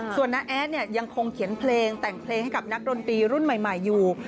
ส่วนน้าแอดเนี่ยยังคงเขียนเพลงแต่งเพลงให้กับนักดนตรีรุ่นใหม่อยู่